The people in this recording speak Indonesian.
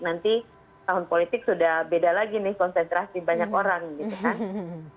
nanti tahun politik sudah beda lagi nih konsentrasi banyak orang gitu kan